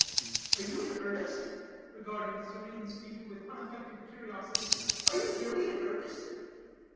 "Are you in earnest?" regarding the serene speaker with unaffected curiosity; "are you really in earnest?"